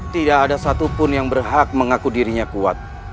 tidak ada satupun yang berhak mengaku dirinya kuat